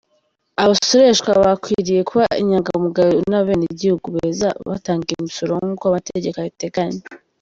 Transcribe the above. Abasoreshwa bakwiriye kuba inyangamugayo n’abenegihugu beza batanga imisoro nk’uko amategeko abiteganya."